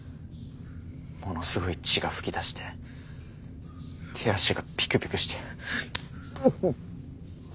ものすごい血が噴き出して手足がピクピクしてウゥッ。